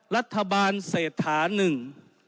รัฐบาลเสร็จฐานหนึ่ง